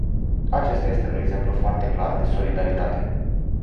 Acesta este un exemplu foarte clar de solidaritate.